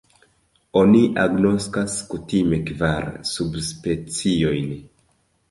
Oni agnoskas kutime kvar subspeciojn.